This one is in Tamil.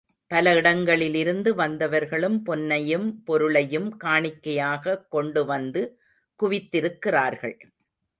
பல இடங்களிலிருந்து வந்தவர்களும் பொன்னையும் பொருளையும் காணிக்கையாக கொண்டு வந்து குவித்திருக்கிறார்கள்.